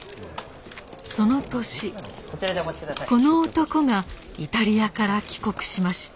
その年この男がイタリアから帰国しました。